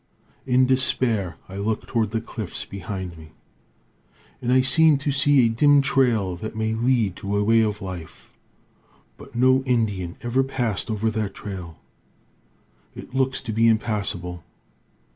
In despair I look toward the cliffs behind me, and I seem to see a dim trail that may lead to a way of life. But no Indian ever passed over that trail. It looks to be impassable.